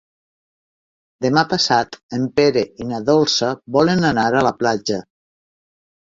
Demà passat en Pere i na Dolça volen anar a la platja.